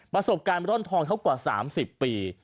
ประสบการณ์ร่อนทองเขากว่า๓๐ปี